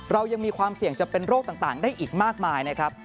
เรายังมีความเสี่ยงจะเป็นโรคต่างได้อีกมากมายนะครับ